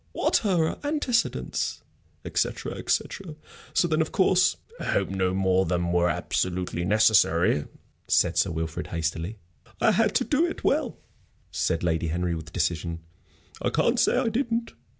What are her antecedents?' etc., etc. So then, of course " "I hope no more than were absolutely necessary!" said Sir Wilfrid, hastily. "I had to do it well," said Lady Henry, with decision; "I can't say I didn't.